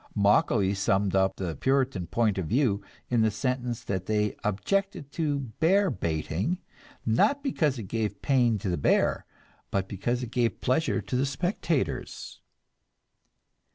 Macaulay summed up the Puritan point of view in the sentence that they objected to bear baiting, not because it gave pain to the bear, but because it gave pleasure to the spectators.